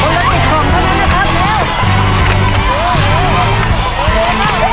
เหลือครึ่งทางหลังแล้วนะครับ